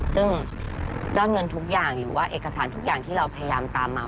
ซึ่งยอดเงินทุกอย่างหรือว่าเอกสารทุกอย่างที่เราพยายามตามมา